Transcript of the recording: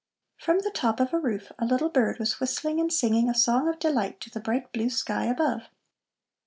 From the top of a roof a little bird was whistling and singing a song of delight to the bright blue sky above.